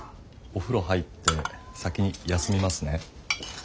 お風呂入って先にやすみますね。